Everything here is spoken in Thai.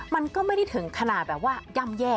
มันก็ไม่ได้ถึงขนาดแบบว่าย่ำแย่